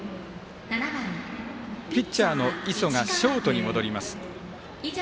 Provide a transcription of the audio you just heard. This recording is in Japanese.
ピッチャーの磯がショートに戻ります。